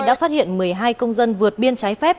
đã phát hiện một mươi hai công dân vượt biên trái phép